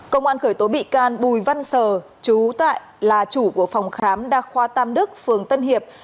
công an khởi tố bị can bùi văn sờ trú tại là chủ của phòng khám đa khoa tam đức phường tân hiệp